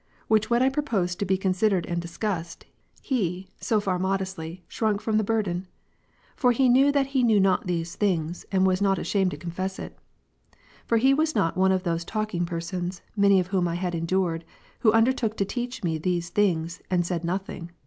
Which when I proposed to be considered and discussed, he, so far modestly, shrunk from the burthen. For he knew that he knew not these things, and was not ashamed to confess it. For he was not one of those talking persons, many of whom I had endured, who undertook to teach me these things, and said nothing.